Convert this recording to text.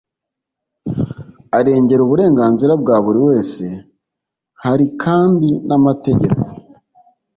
arengera uburenganzira bwa buri wese. hari kandi n'amategeko